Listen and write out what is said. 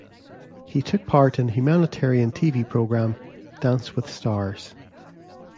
He took part in humanitarian TV programme "Dance with stars".